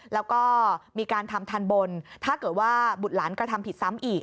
แล้วก็มีการทำทันบนถ้าเกิดว่าบุตรหลานกระทำผิดซ้ำอีก